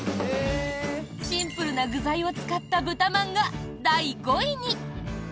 シンプルな具材を使った豚まんが第５位に。